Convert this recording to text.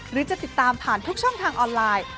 หรือจะติดตามผ่านทุกช่องทางออนไลน์